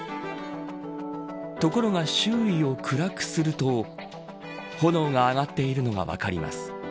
ところが周囲を暗くすると炎が上がっているのが分かります。